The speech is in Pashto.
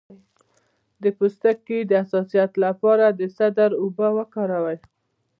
د پوستکي د حساسیت لپاره د سدر اوبه وکاروئ